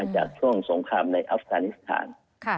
จากช่วงสงครามในอัฟกานิสถาน